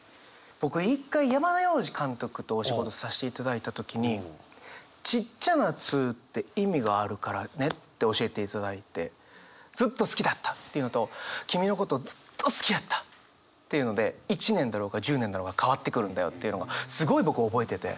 僕一回山田洋次監督とお仕事させていただいた時にちっちゃな「っ」って意味があるからねって教えていただいて「ずっと好きだった」って言うのと「君のことずっと好きやった」って言うので１年だろうが１０年だろうが変わってくるんだよというのがすごい僕覚えてて。